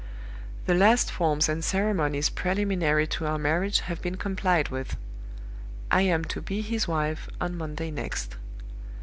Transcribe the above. "The last forms and ceremonies preliminary to our marriage have been complied with. I am to be his wife on Monday next.